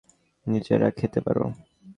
নিজেরা খেতে পারো?